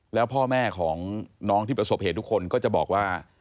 แล้วพ่อแม่ของน้องที่ประสบเหตุทุกคนก็จะบอกว่า